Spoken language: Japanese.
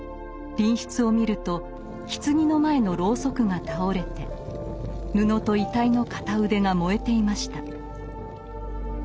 隣室を見ると棺の前のろうそくが倒れて布と遺体の片腕が燃えていました。